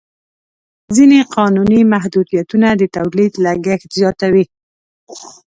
ځینې قانوني محدودیتونه د تولید لګښت زیاتوي.